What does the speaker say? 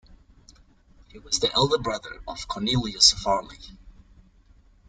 He was the elder brother of Cornelius Varley.